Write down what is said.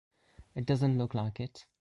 It doesn't look like it.